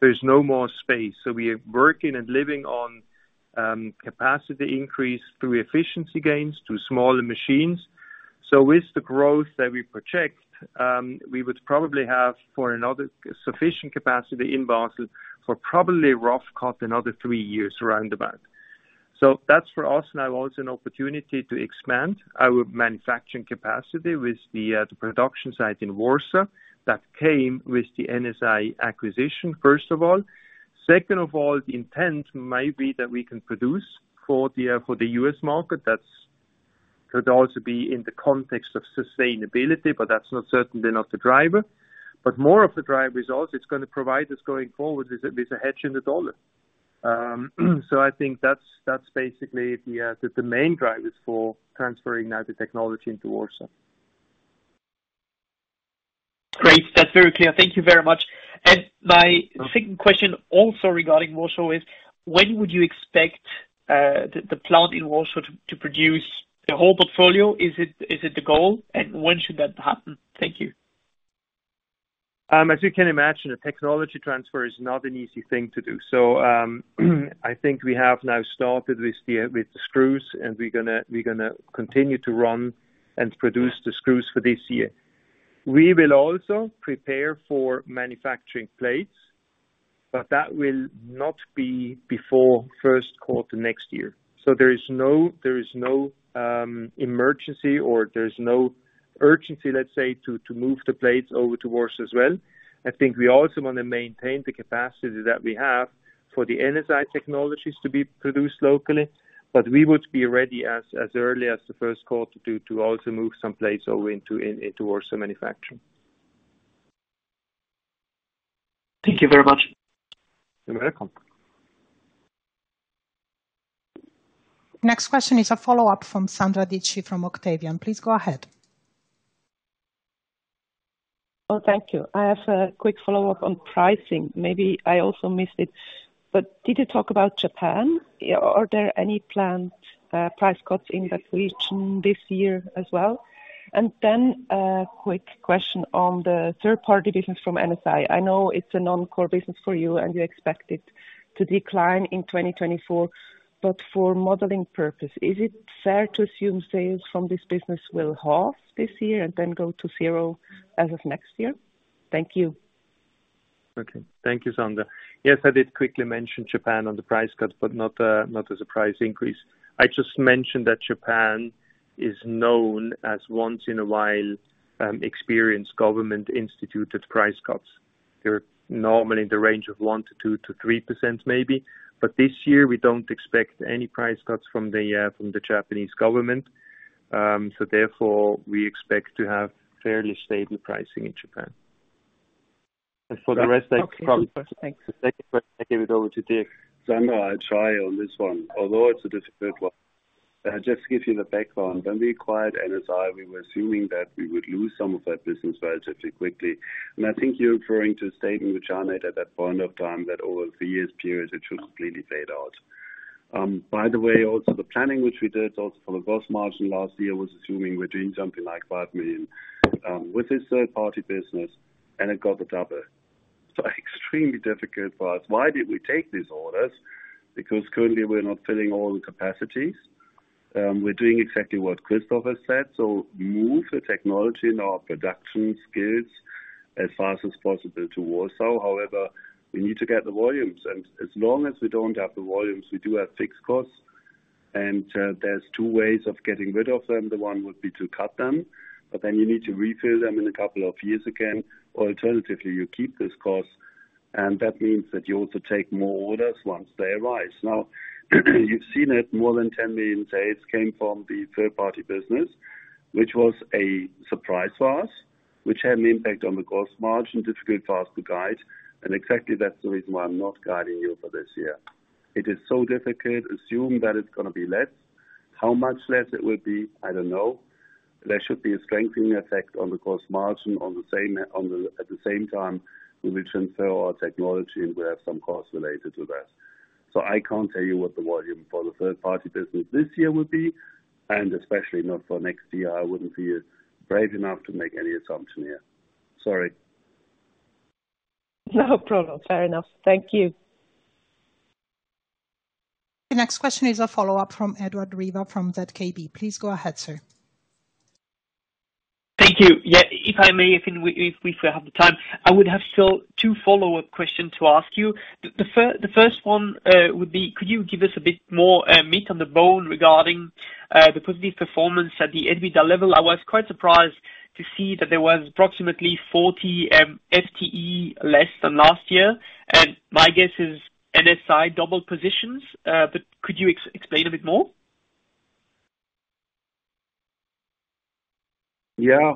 There's no more space. So we are working and relying on capacity increase through efficiency gains, through smaller machines. So with the growth that we project, we would probably have sufficient capacity in Basel for probably roughly another three years round about. So that's for us now also an opportunity to expand our manufacturing capacity with the production site in Warsaw, that came with the NSI acquisi`tion, first of all. Second of all, the intent might be that we can produce for the U.S. market. That could also be in the context of sustainability, but that's certainly not the driver. But more of the driver is also, it's gonna provide us going forward with a hedge in the U.S. dollar. So I think that's basically the main drivers for transferring now the technology into Warsaw. Great. That's very clear. Thank you very much. And my second question also regarding Warsaw is: When would you expect, the plant in Warsaw to produce the whole portfolio? Is it the goal, and when should that happen? Thank you. As you can imagine, the technology transfer is not an easy thing to do. So, I think we have now started with the, with the screws, and we're gonna, we're gonna continue to run and produce the screws for this year. We will also prepare for manufacturing plates, but that will not be before Q1 next year. So, there is no, there is no, emergency or there's no urgency, let's say, to, to move the plates over to Warsaw as well. I think we also want to maintain the capacity that we have for the NSI technologies to be produced locally, but we would be ready as, as early as the Q1 to, to also move some plates over into, in, into Warsaw manufacturing. Thank you very much. You're welcome. Next question is a follow-up from Sandra Dietschy from Octavian. Please go ahead. Oh, thank you. I have a quick follow-up on pricing. Maybe I also missed it, but did you talk about Japan? Yeah, are there any planned price cuts in that region this year as well? And then, a quick question on the third-party business from NSI. I know it's a non-core business for you, and you expect it to decline in 2024. But for modeling purpose, is it fair to assume sales from this business will halve this year and then go to zero as of next year? Thank you. Okay. Thank you, Sandra. Yes, I did quickly mention Japan on the price cuts, but not as a price increase. I just mentioned that Japan is known as once in a while experience government-instituted price cuts. They're normally in the range of 1%-3% maybe, but this year we don't expect any price cuts from the Japanese government. So therefore, we expect to have fairly stable pricing in Japan. And for the rest- Okay, thanks. I give it over to Dirk. Sandra, I'll try on this one, although it's a difficult one. Just to give you the background, when we acquired NSI, we were assuming that we would lose some of that business relatively quickly. And I think you're referring to a statement which I made at that point of time, that over a three years period, it should completely fade out. By the way, also, the planning which we did also for the gross margin last year, was assuming we're doing something like 5 million with this third-party business, and it got double. So extremely difficult for us. Why did we take these orders? Because currently we're not filling all the capacities. We're doing exactly what Christoph said, so move the technology and our production skills as fast as possible to Warsaw. However, we need to get the volumes, and as long as we don't have the volumes, we do have fixed costs. And, there's two ways of getting rid of them. The one would be to cut them, but then you need to refill them in a couple of years again. Or alternatively, you keep this cost, and that means that you also take more orders once they arise. Now, you've seen it, more than 10 million sales came from the third-party business, which was a surprise to us, which had an impact on the gross margin, difficult for us to guide. And exactly that's the reason why I'm not guiding you for this year. It is so difficult. Assume that it's gonna be less. How much less it will be? I don't know. There should be a strengthening effect on the gross margin. At the same time, we will transfer our technology, and we have some costs related to that. So I can't tell you what the volume for the third-party business this year will be, and especially not for next year. I wouldn't be brave enough to make any assumption here. Sorry. No problem. Fair enough. Thank you. The next question is a follow-up from Edouard Riva from ZKB. Please go ahead, sir. Thank you. Yeah, if I may, if we still have the time, I would have still two follow-up questions to ask you. The first one would be: Could you give us a bit more meat on the bone regarding the positive performance at the EBITDA level? I was quite surprised to see that there was approximately 40 FTE less than last year, and my guess is NSI double positions. But could you explain a bit more? Yeah,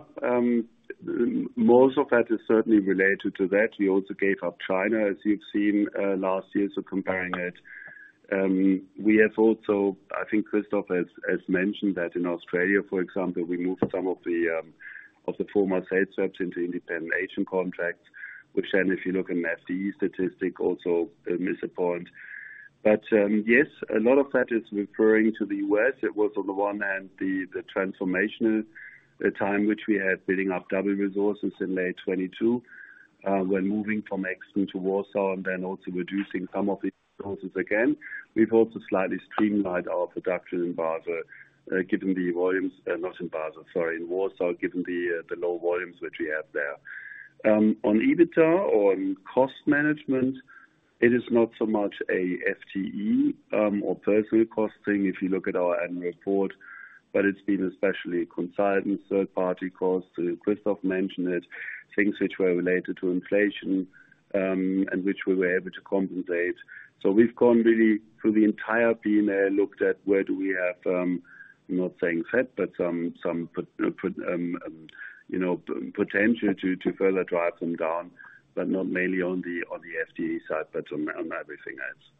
most of that is certainly related to that. We also gave up China, as you've seen, last year, so comparing it. We have also, I think Christoph has mentioned that in Australia, for example, we moved some of the former sales reps into independent agent contracts, which then, if you look in the statistic, also miss a point. But yes, a lot of that is referring to the U.S. It was, on the one hand, the transformation time which we had building up double resources in May 2022, when moving from Exton to Warsaw and then also reducing some of the resources again. We've also slightly streamlined our production in Basel, given the volumes, not in Basel, sorry, in Warsaw, given the low volumes which we have there. On EBITDA, on cost management, it is not so much a FTE, or personnel cost thing, if you look at our annual report, but it's been especially consultants, third-party costs. So Christoph mentioned it, things which were related to inflation, and which we were able to compensate. So we've gone really through the entire team, looked at where do we have, I'm not saying cut, but some potential to further drive them down, but not mainly on the FTE side, but on everything else.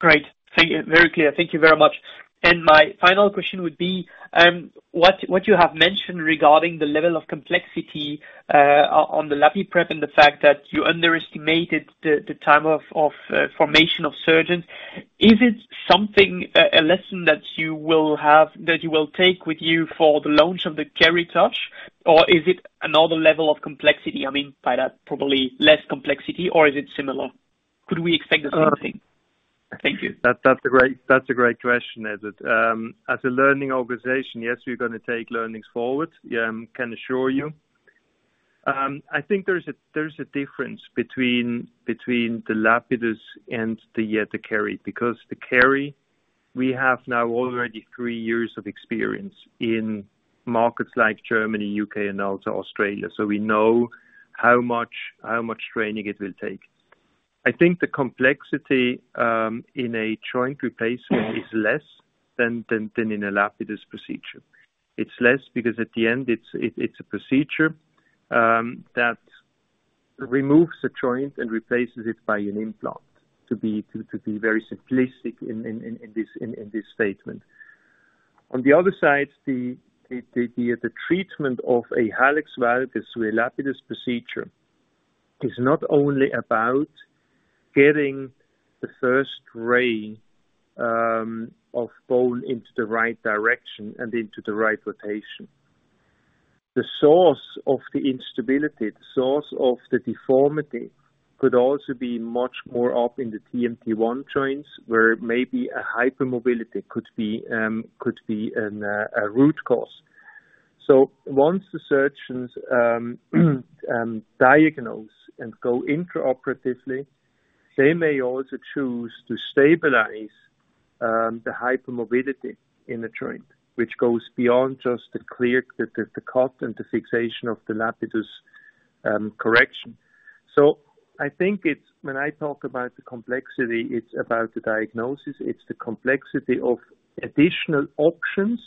Great. Thank you. Very clear. Thank you very much. My final question would be, what you have mentioned regarding the level of complexity on the LapiPrep and the fact that you underestimated the time of formation of surgeons. Is it something, a lesson that you will take with you for the launch of the Keri TOUCH, or is it another level of complexity? I mean, by that, probably less complexity, or is it similar? Could we expect the same thing? Thank you. That, that's a great, that's a great question, Edouard. As a learning organization, yes, we're gonna take learnings forward. Yeah, I can assure you. I think there's a, there's a difference between, between the Lapidus and the, the Keri, because the Keri, we have now already three years of experience in markets like Germany, U.K., and also Australia. So, we know how much, how much training it will take. I think the complexity, in a joint replacement is less than, than, than in a Lapidus procedure. It's less because at the end, it's, it, it's a procedure, that removes the joint and replaces it by an implant, to be, to, to be very simplistic in, in, in, in this, in, in this statement. On the other side, the treatment of a hallux valgus, so a Lapidus procedure, is not only about getting the first ray of bone into the right direction and into the right rotation. The source of the instability, the source of the deformity, could also be much more up in the TMT-1 joints, where maybe a hypermobility could be a root cause. So, once the surgeons diagnose and go intraoperatively, they may also choose to stabilize the hypermobility in the joint, which goes beyond just the cut and the fixation of the Lapidus correction. So, I think it's—when I talk about the complexity, it's about the diagnosis. It's the complexity of additional options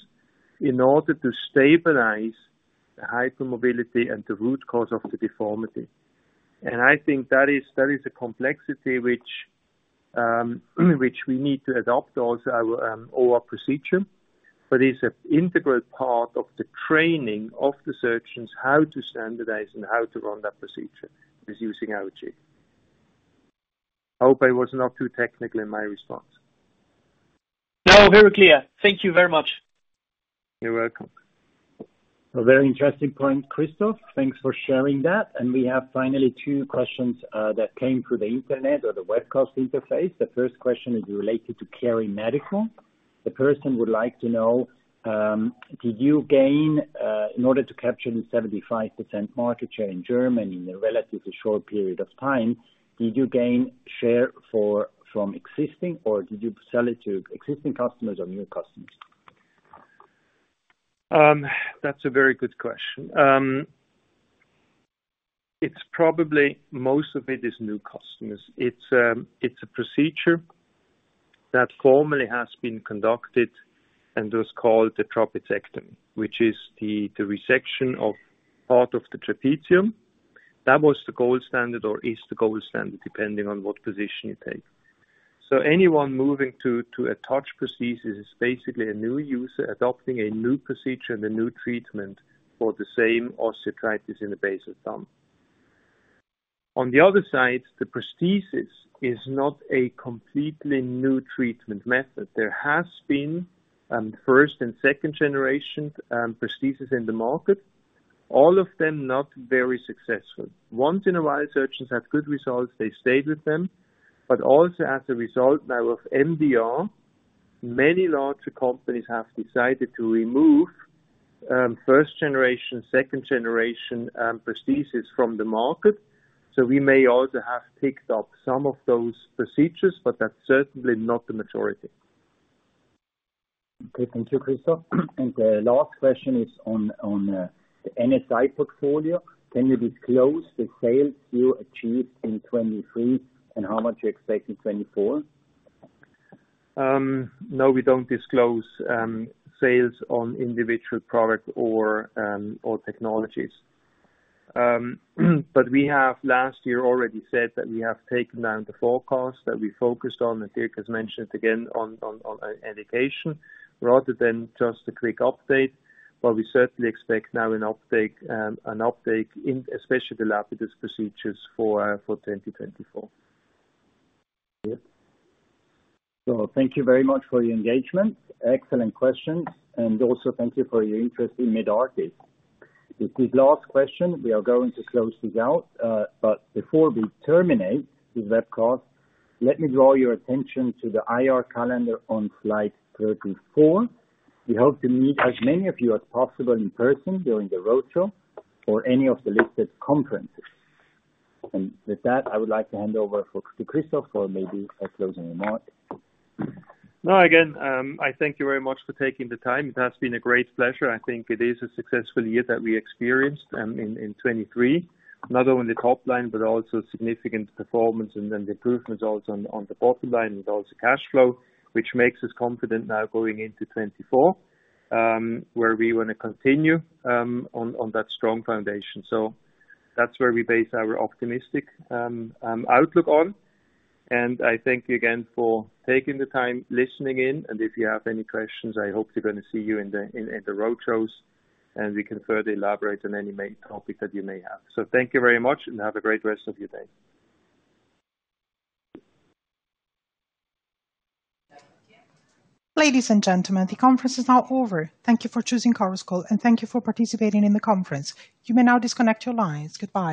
in order to stabilize the hypermobility and the root cause of the deformity. I think that is a complexity which we need to adopt also our procedure. But it's an integral part of the training of the surgeons, how to standardize and how to run that procedure is using LG. I hope I was not too technical in my response. No, very clear. Thank you very much. You're welcome. A very interesting point, Christoph. Thanks for sharing that. We have finally two questions that came through the internet or the webcast interface. The first question is related to KeriMedical. The person would like to know, did you gain, in order to capture the 75% market share in Germany in a relatively short period of time, did you gain share for—from existing, or did you sell it to existing customers or new customers? That's a very good question. It's probably most of it is new customers. It's a procedure that formerly has been conducted and was called the trapezectomy, which is the resection of part of the trapezium. That was the gold standard or is the gold standard, depending on what position you take. So, anyone moving to a TOUCH prosthesis is basically a new user adopting a new procedure and a new treatment for the same osteoarthritis in the base of thumb. On the other side, the prosthesis is not a completely new treatment method. There has been first and second generation prosthesis in the market, all of them not very successful. Once in a while, surgeons have good results, they stayed with them, but also as a result now of MDR, many larger companies have decided to remove first generation, second generation prosthesis from the market. So we may also have picked up some of those procedures, but that's certainly not the majority. Okay, thank you, Christoph. The last question is on the NSI portfolio. Can you disclose the sales you achieved in 2023 and how much you expect in 2024? No, we don't disclose sales on individual product or technologies. But we have last year already said that we have taken down the forecast that we focused on, and Dirk has mentioned it again on education, rather than just a quick update. But we certainly expect now an uptake in especially the Lapidus procedures for 2024. So, thank you very much for your engagement. Excellent questions and also thank you for your interest in Medartis. With this last question, we are going to close this out, but before we terminate this webcast, let me draw your attention to the IR calendar on slide 34. We hope to meet as many of you as possible in person during the roadshow or any of the listed conferences. And with that, I would like to hand over to Christoph for maybe a closing remark. No, again, I thank you very much for taking the time. It has been a great pleasure. I think it is a successful year that we experienced in 2023. Not only the top line, but also significant performance and then the good results on the bottom line and also cash flow, which makes us confident now going into 2024, where we want to continue on that strong foundation. So that's where we base our optimistic outlook on. And I thank you again for taking the time, listening in, and if you have any questions, I hope to gonna see you in the roadshows, and we can further elaborate on any main topic that you may have. So, thank you very much and have a great rest of your day. Ladies and gentlemen, the conference is now over. Thank you for choosing Chorus Call, and thank you for participating in the conference. You may now disconnect your lines. Goodbye.